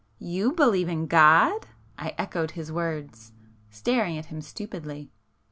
"You believe in God!" I echoed his words, staring at him stupidly.